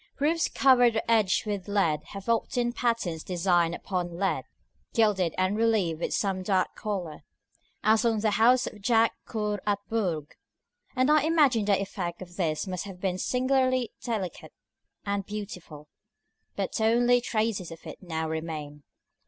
Roofs covered or edged with lead have often patterns designed upon the lead, gilded and relieved with some dark color, as on the house of Jaques Coeur at Bourges; and I imagine the effect of this must have been singularly delicate and beautiful, but only traces of it now remain.